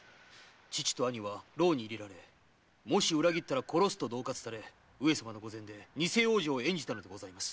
父と兄は牢に入れられ「もし裏切ったら殺す」と恫喝され上様の御前で偽王女を演じたのでございます。